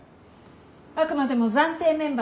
あくまでも暫定メンバーです。